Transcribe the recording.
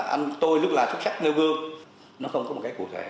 anh tôi lúc là xuất sắc nêu gương nó không có một cái cụ thể